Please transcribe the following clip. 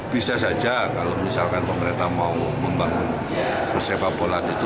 bisa saja kalau misalkan pemerintah mau membangun persepak bola itu